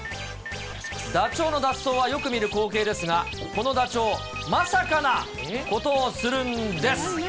ダチョウの脱走はよく見る光景ですが、このダチョウ、まさかなことをするんです。